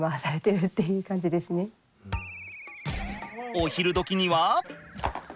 お昼どきには。